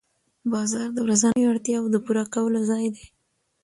بازار د ورځنیو اړتیاوو د پوره کولو ځای دی